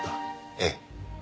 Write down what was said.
ええ。